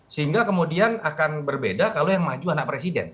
sehingga kemudian akan berbeda kalau yang maju anak presiden